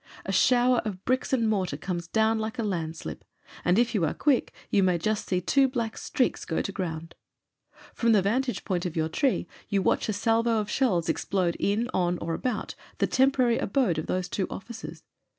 A shower of bricks and mortar comes down like a landslip, and if you are quick you may just see two black streaks go to ground. From the vantage point of your tree you watch a salvo of shells explode in, on, or about the temporary abode of those two officers.